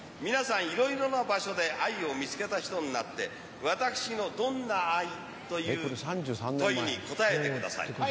皆さんいろいろな場所で愛を見つけた人になって私の「どんな愛？」という問いに答えてください。